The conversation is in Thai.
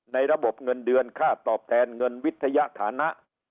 ในระบบเงินเดือนค่าตอบแทนเงินวิทยาฐานะ